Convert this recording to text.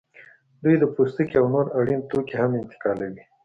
دوی د پوستکي او نور اړین توکي هم انتقالوي